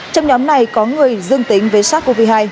trong nhóm này có người dương tính với sars cov hai